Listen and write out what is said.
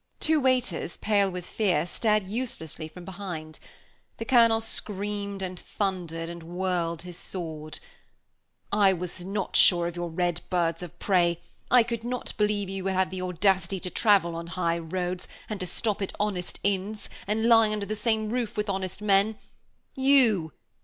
Two waiters, pale with fear, stared uselessly from behind. The Colonel screamed and thundered, and whirled his sword. "I was not sure of your red birds of prey; I could not believe you would have the audacity to travel on high roads, and to stop at honest inns, and lie under the same roof with honest men. You!